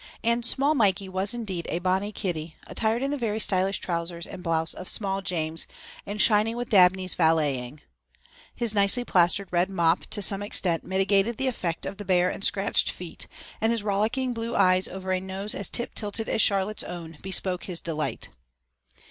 And small Mikey was indeed a bonny kiddie attired in the very stylish trousers and blouse of small James and shining with Dabney's valeting. His nicely plastered red mop to some extent mitigated the effect of the bare and scratched feet and his rollicking blue eyes over a nose as tip tilted as Charlotte's own bespoke his delight.